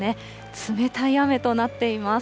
冷たい雨となっています。